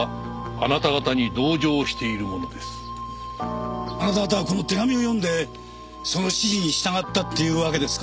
あなた方はこの手紙を読んでその指示に従ったっていうわけですか？